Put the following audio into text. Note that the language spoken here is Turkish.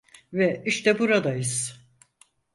Ve işte buradayız.